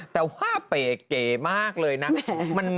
แต่ว่าเป๋เก๋มากเลยนะ